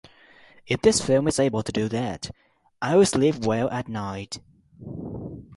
If this film is able to do that, I'll sleep well at night.